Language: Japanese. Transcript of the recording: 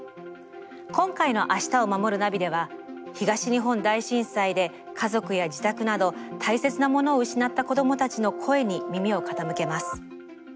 今回の「明日をまもるナビ」では東日本大震災で家族や自宅など大切なものを失った子どもたちの声に耳を傾けます。